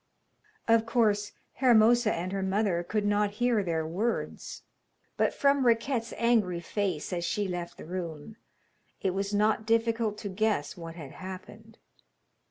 Of course Hermosa and her mother could not hear their words, but from Riquette's angry face as she left the room, it was not difficult to guess what had happened.